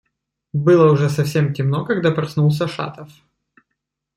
Было уже совсем темно, когда проснулся Шатов.